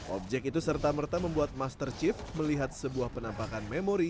objek itu serta merta membuat master chief melihat sebuah penampakan memori